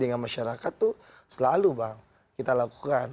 dengan masyarakat itu selalu bang kita lakukan